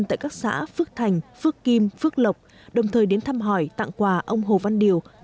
tại các xã phước thành phước kim phước lộc đồng thời đến thăm hỏi tặng quà ông hồ văn điều